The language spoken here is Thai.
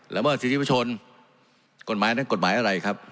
เมิดสิทธิประชนกฎหมายนั้นกฎหมายอะไรครับ